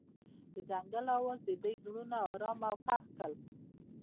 د ځنګل اواز د دوی زړونه ارامه او خوښ کړل.